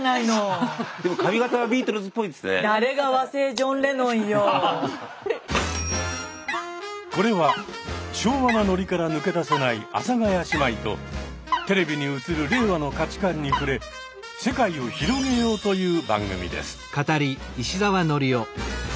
ちょっとこれは昭和なノリから抜け出せない阿佐ヶ谷姉妹とテレビに映る令和の価値観に触れ世界を広げよう！という番組です。